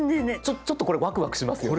ちょっとこれわくわくしますよね。